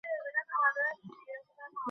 আমার বয়স যখন দশ, তখন মদ খাওয়া ছেড়েছিলেন তিনি।